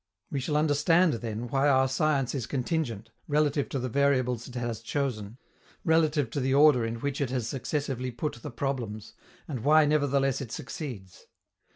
We shall understand then why our science is contingent, relative to the variables it has chosen, relative to the order in which it has successively put the problems, and why nevertheless it succeeds.